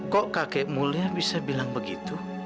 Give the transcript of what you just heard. kok kakek mulia bisa bilang begitu